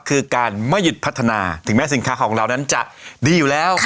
คือการไม่หยุดพัฒนาถึงแม้สินค้าของเรานั้นจะดีอยู่แล้ว